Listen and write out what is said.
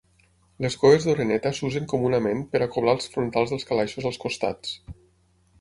Les cues d'oreneta s'usen comunament per acoblar els frontals dels calaixos als costats.